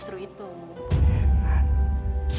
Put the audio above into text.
istri itu mau berpilihan